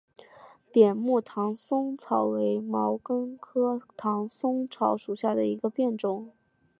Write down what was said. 扁果唐松草为毛茛科唐松草属下的一个变种。